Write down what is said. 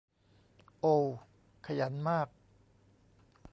โอว ขยันมาก